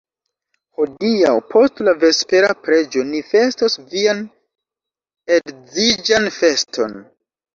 Hodiaŭ post la vespera preĝo ni festos vian edziĝan feston!